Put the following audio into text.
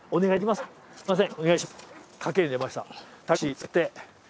すみません。